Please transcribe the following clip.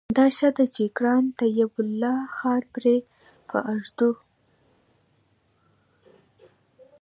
دا ښه ده چې ګران طيب الله خان پرې په اردو